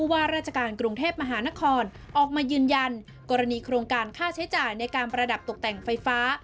ว่าราชการกรุงเทพมหานครออกมายืนยันกรณีโครงการค่าใช้จ่ายในการประดับตกแต่งไฟฟ้า